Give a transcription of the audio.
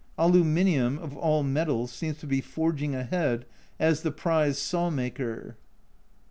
Aluminium, of all metals, seems to be forging ahead as the prize saw maker.